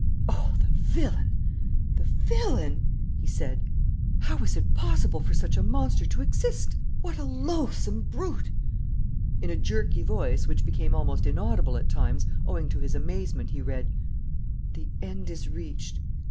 "Oh, the villain, the villain!" he said. "How was it possible for such a monster to exist? What a loathsome brute!" In a jerky voice, which became almost inaudible at times owing to his amazement, he read: "The end is reached.